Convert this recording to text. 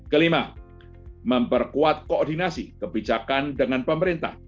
kelima memperkuat koordinasi kebijakan dengan pemerintah